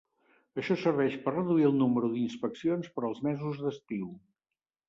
Això serveix per reduir el número d'inspeccions per als mesos d'estiu.